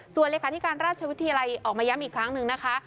ส่วนเลขาธิการราชวิทยาลัยออกมาย้ำอีกครั้งหนึ่งนะคะ